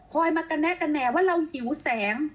คอยมาแกน่ะว่าเราหิวแสง